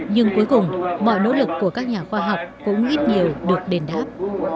nhưng cuối cùng mọi nỗ lực của các nhà khoa học cũng ít nhiều được đền đáp